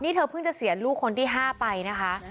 นี่เธอเพิ่งจะเสียลูกคนที่๕ไปนะคะ